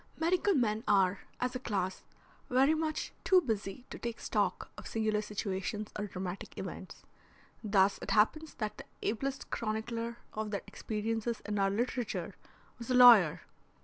Medical men are, as a class, very much too busy to take stock of singular situations or dramatic events. Thus it happens that the ablest chronicler of their experiences in our literature was a lawyer.